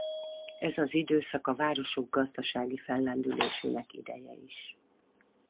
Ez az időszak a városok gazdasági fellendülésének ideje is.